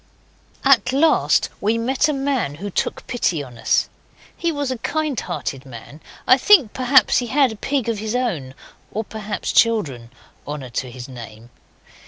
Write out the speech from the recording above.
At last we met a man who took pity on us. He was a kind hearted man. I think, perhaps, he had a pig of his own or, perhaps, children. Honour to his name!